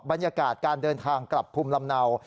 บรรยากาศการเดินทางกลับภูมิลำเนา